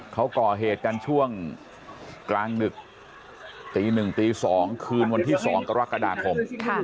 เขาก่อเหตุกันช่วงกลางดึกตี๑ตี๒คืนวันที่๒กรกฎาคม